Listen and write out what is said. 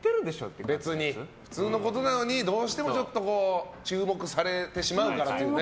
普通のことなのにどうしても注目されてしまうから。